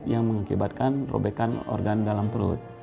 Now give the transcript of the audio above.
yang mengakibatkan robekan organ dalam perut